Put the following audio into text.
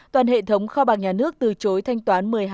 toàn hệ thống khô bạc nhà nước từ chối thanh toán một mươi hai tám tỷ đồng